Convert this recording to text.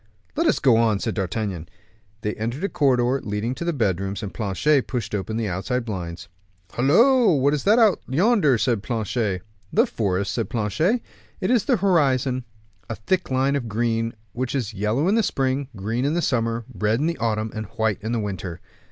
"Let us go on," said D'Artagnan. They entered a corridor leading to the bedrooms, and Planchet pushed open the outside blinds. "Hollo! what is that out yonder?" said Porthos. "The forest," said Planchet. "It is the horizon, a thick line of green, which is yellow in the spring, green in the summer, red in the autumn, and white in the winter."